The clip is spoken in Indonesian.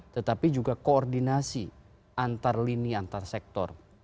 tetapi juga koordinasi antar lini antar sektor